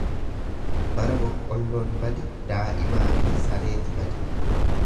Bara boqqolloon bade daa'imaafi sareetu bade.